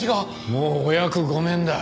もうお役御免だ。